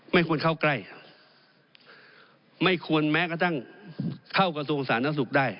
ไม่ควรเข้าใกล้ไม่ควรแม้กระทั่งเข้ากระทรวงสาธารณสุขได้